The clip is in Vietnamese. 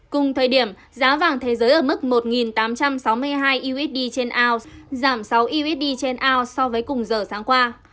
cùng thời điểm giá vàng thế giới ở mức một tám trăm sáu mươi hai usd trên ounce giảm sáu usd trên ao so với cùng giờ sáng qua